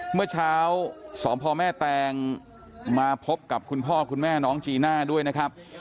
เมื่อเช้าสพแม่แตงมาพบกับคุณพ่อคุณแม่น้องจีน่าด้วยนะครับ